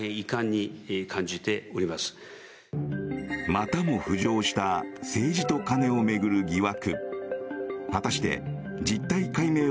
またも浮上した政治とカネを巡る疑惑。